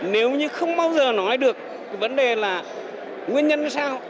nếu như không bao giờ nói được cái vấn đề là nguyên nhân là sao